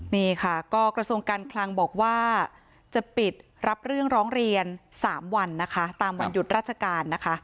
นี่ค่ะก็กระทรวงการคลังบอกว่าจะปิดรับเรื่องร้องเรียน๓วันนะคะตามวันหยุดราชการนะคะ